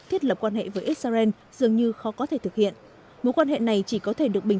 thiết lập quan hệ với israel dường như khó có thể thực hiện mối quan hệ này chỉ có thể được bình